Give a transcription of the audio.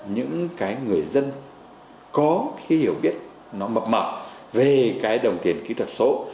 những cái người dân có cái hiểu biết nó mập mở về cái đồng tiền kỹ thuật số